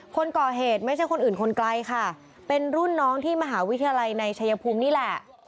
คนก่อเหตุไม่ใช่คนอื่นคนไกลค่ะเป็นรุ่นน้องที่มหาวิทยาลัยในชายภูมินี่แหละ